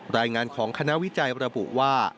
รายงานของคณะวิจัยระบุว่า